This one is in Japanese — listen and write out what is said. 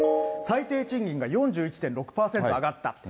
最低賃金が４１．６％上がった。